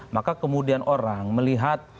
maka kemudian orang melihat